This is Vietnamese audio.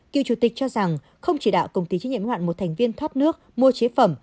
kiều chủ tịch cho rằng không chỉ đạo công ty trách nhiệm yếu hạn một thành viên thoát nước mua chế phẩm